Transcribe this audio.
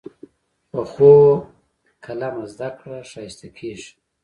پخو قلمه زده کړه ښایسته کېږي